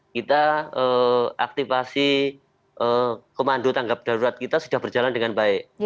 kita aktifasi komando tanggap darurat kita sudah berjalan dengan baik